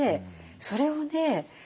それをね